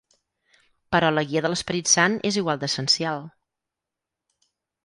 Però la guia de l'Esperit Sant es igual d'essencial...